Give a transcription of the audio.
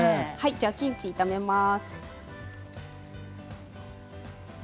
キムチを炒めます。